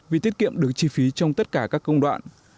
vì tiết kiệm được chi phí trong tất cả các công đoạn